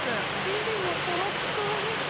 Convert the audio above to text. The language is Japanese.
生地もとろっとろです。